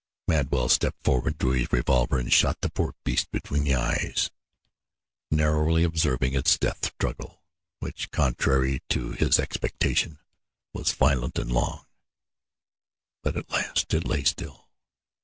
Madwell stepped forward, drew his revolver and shot the poor beast between the eyes, narrowly observing its death struggle, which, contrary to his expectation, was violent and long; but at last it lay still.